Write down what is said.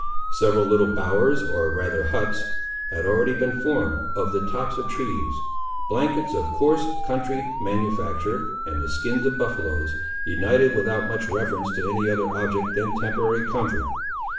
Several little bowers, or rather huts, had already been formed of the tops of trees, blankets of coarse country manufacture, and the skins of buffaloes, united without much reference to any other object than temporary comfort.